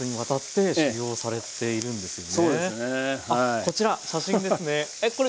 こちら写真ですね。